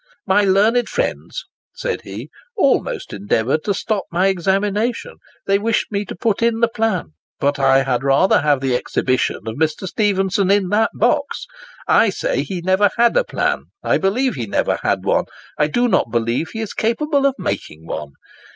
My learned friends," said he, "almost endeavoured to stop my examination; they wished me to put in the plan, but I had rather have the exhibition of Mr. Stephenson in that box. I say he never had a plan—I believe he never had one—I do not believe he is capable of making one.